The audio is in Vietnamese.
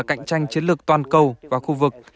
cạnh tranh chiến lược toàn cầu và khu vực